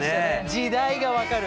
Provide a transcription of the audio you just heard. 時代が分かる。